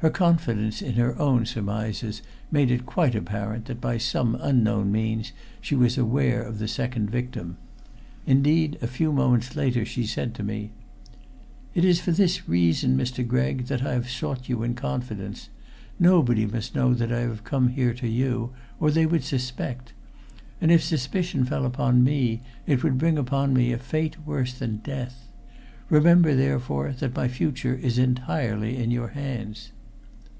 Her confidence in her own surmises made it quite apparent that by some unknown means she was aware of the second victim. Indeed, a few moments later she said to me: "It is for this reason, Mr. Gregg, that I have sought you in confidence. Nobody must know that I have come here to you, or they would suspect; and if suspicion fell upon me it would bring upon me a fate worse than death. Remember, therefore, that my future is entirely in your hands."